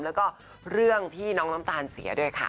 แล้วก็เรื่องที่น้องน้ำตาลเสียด้วยค่ะ